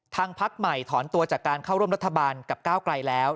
พักใหม่ถอนตัวจากการเข้าร่วมรัฐบาลกับก้าวไกลแล้ว